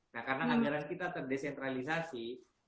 nah karena anggaran kita terdesentralisasi